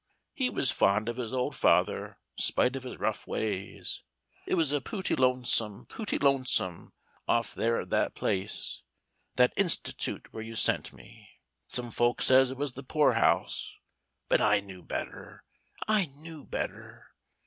He was fond of his old father, spite of his rough ways. It was pooty lonesome pooty lonesome, off there at that place that Institute where you sent me. Some folks said it was the Poor House, but I knew better I knew better.